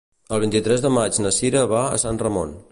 El vint-i-tres de maig na Cira va a Sant Ramon.